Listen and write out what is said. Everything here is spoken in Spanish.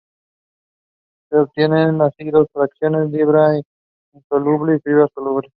Se obtienen así dos fracciones: fibra insoluble y fibra soluble.